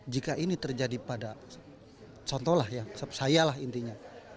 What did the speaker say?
jika ini terjadi pada contohlah ya saya lah intinya